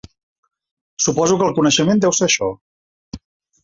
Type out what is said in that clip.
Suposo que el coneixement deu ser això.